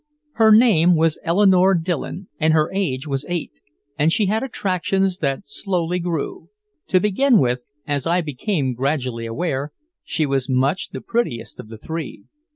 Her name was Eleanore Dillon and her age was eight, and she had attractions that slowly grew. To begin with, as I became gradually aware, she was much the prettiest of the three.